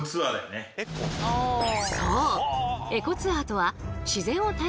そう！